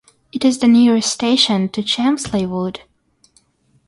It is the nearest station to Chelmsley Wood.